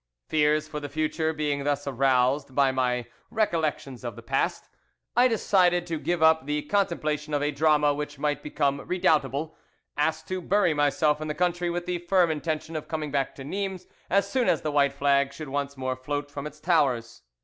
Fears for the future being thus aroused by my recollections of the past, I decided to give up the contemplation of a drama which might become redoubtable, asked to bury myself in the country with the firm intention of coming back to Nimes as soon as the white flag should once more float from its towers.